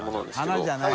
花じゃない。